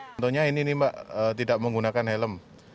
contohnya ini mbak tidak menggunakan helm